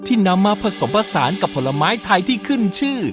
นำมาผสมผสานกับผลไม้ไทยที่ขึ้นชื่อ